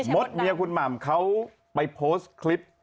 มดเมียคุณหม่ำเขาไปโพสต์คลิป